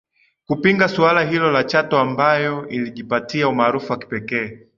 kupinga suala hilo la Chato ambayo ilijipatia umaarufu wa kipekee